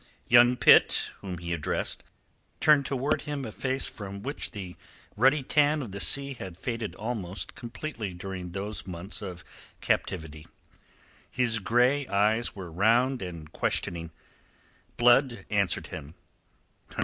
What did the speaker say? Young Pitt, whom he addressed, turned towards him a face from which the ruddy tan of the sea had faded almost completely during those months of captivity. His grey eyes were round and questioning. Blood answered him.